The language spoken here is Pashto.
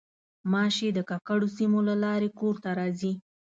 غوماشې د ککړو سیمو له لارې کور ته راځي.